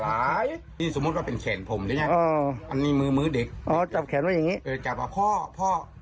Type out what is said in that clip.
อันนี้มือมือเด็กอ๋อจับแขนว่าอย่างงี้เออจับว่าพ่อพ่อ